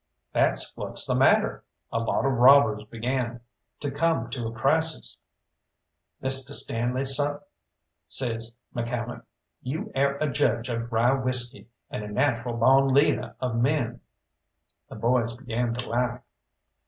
"That's what's the matter!" A lot of robbers began to come to a crisis. "Misteh Stanley, seh," says McCalmont, "you air a judge of rye whisky, and a natural bawn leader of men." The boys began to laugh.